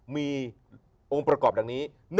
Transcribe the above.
มีองค์ประกอบดังนี้